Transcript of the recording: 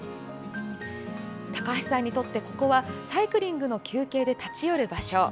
高橋さんにとって、ここはサイクリングの休憩で立ち寄る場所。